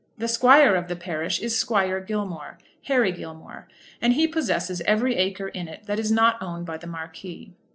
The squire of the parish is Squire Gilmore, Harry Gilmore, and he possesses every acre in it that is not owned by the Marquis.